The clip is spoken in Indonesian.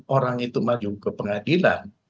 orang itu maju ke pengadilan